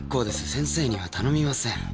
先生には頼みません。